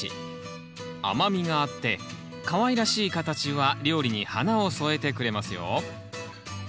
甘みがあってかわいらしい形は料理に花を添えてくれますよ